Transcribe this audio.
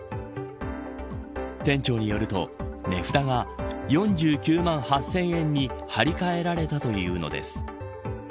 店長によると値札が、４９万８０００円に貼り替えられたというのです。